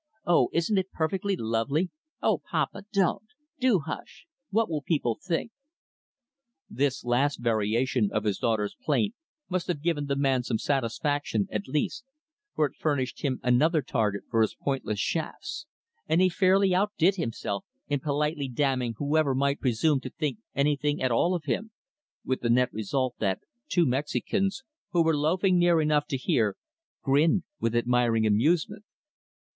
Oh isn't it perfectly lovely! O papa, don't! Do hush! What will people think?" This last variation of his daughter's plaint must have given the man some satisfaction, at least, for it furnished him another target for his pointless shafts; and he fairly outdid himself in politely damning whoever might presume to think anything at all of him; with the net result that two Mexicans, who were loafing near enough to hear, grinned with admiring amusement.